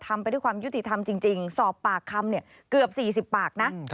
ไปด้วยความยุติธรรมจริงสอบปากคำเกือบ๔๐ปากนะ